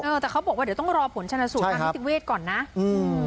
เออแต่เขาบอกว่าเดี๋ยวต้องรอผลชนสูตรใช่ครับก่อนนะอืม